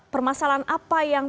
permasalahan apa yang